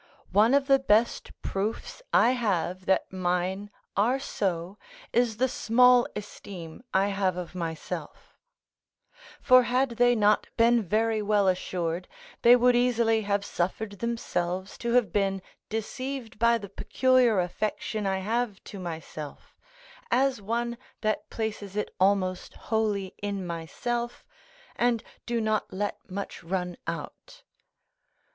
One of the best proofs I have that mine are so is the small esteem I have of myself; for had they not been very well assured, they would easily have suffered themselves to have been deceived by the peculiar affection I have to myself, as one that places it almost wholly in myself, and do not let much run out.